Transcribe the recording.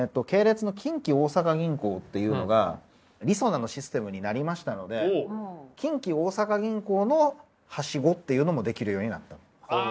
系列の近畿大阪銀行っていうのがりそなのシステムになりましたので近畿大阪銀行のはしごっていうのもできるようになった。